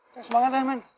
semangat deh men